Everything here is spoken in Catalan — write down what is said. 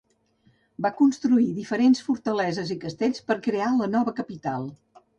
Va construir diferents fortaleses i castells per crear la nova capital.